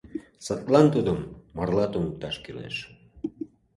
Садлан тудым марла туныкташ кӱлеш.